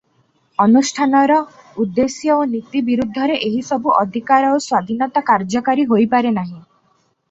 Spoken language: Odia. ଅନୁଷ୍ଠାନର ଉଦ୍ଦେଶ୍ୟ ଓ ନୀତି ବିରୁଦ୍ଧରେ ଏହିସବୁ ଅଧିକାର ଓ ସ୍ୱାଧୀନତା କାର୍ଯ୍ୟକାରୀ ହୋଇପାରେ ନାହିଁ ।